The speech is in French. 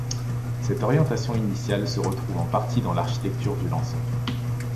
Cette orientation initiale se retrouve en partie dans l'architecture du lanceur.